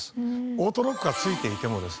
オートロックが付いていてもですね